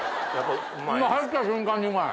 入った瞬間にうまい。